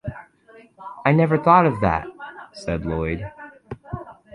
"I never thought of that," said Lloyd.